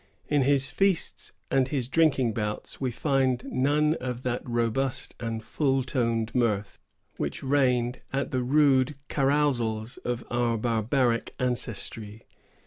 In his feasts and his drinking bouts we find none of that robust and full toned mirth, which reigned at the rude carousals of our barbaric ancestry.